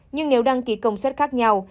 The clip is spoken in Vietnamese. nhưng nếu đăng ký công suất khác nhau